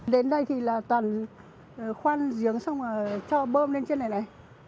đến đây thì là toàn khoan giếng xong rồi cho bơm lên trên này này